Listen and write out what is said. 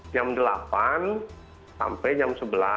jam delapan sampai jam sebelas